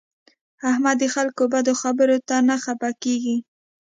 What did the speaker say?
احمد د خلکو بدو خبرو ته نه خپه کېږي.